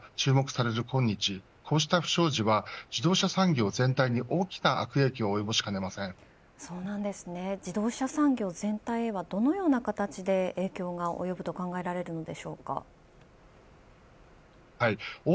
しかし自動車の環境性能が注目される今日こうした不祥事は自動車産業全体に大きな悪影響をおよぼしかねません。自動車産業全体へはどのような形で影響が及ぶと考えられるんでしょうか。